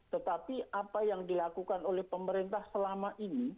tetapi apa yang dilakukan oleh pemerintah selama ini